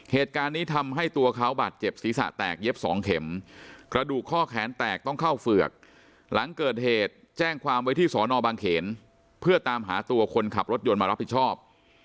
เหตุการณ์นี้ทำให้ตัวเขาบาดเจ็บศีรษะแตกเย็บสองเข็มกระดูกข้อแขนแตกต้องเข้าเฝือกหลังเกิดเหตุแจ้งความไว้ที่สอนอบางเขนเพื่อตามหาตัวคนขับรถยนต์มารับผิดชอบ